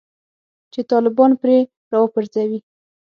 چې طالبان پرې راوپرځوي